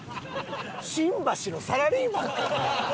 新橋のサラリーマンか俺は！